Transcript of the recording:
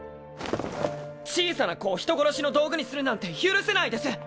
小さな子を人殺しの道具にするなんて許せないです！